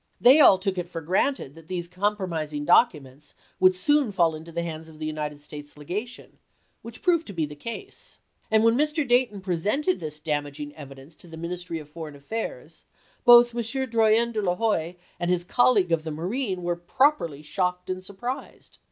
They all took it for granted that these compromising documents would soon fall into the hands of the United States Legation, which proved to be the case; and when Mr. Dayton presented this damaging evidence to the Ministry of Foreign Affairs both M. Drouyn de I'Huys and his col league of the marine were properly shocked and surprised.